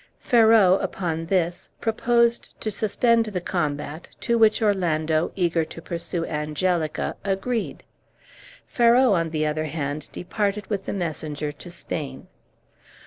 Ferrau, upon this, proposed to suspend the combat, to which Orlando, eager to pursue Angelica, agreed. Ferrau, on the other hand, departed with the messenger to Spain.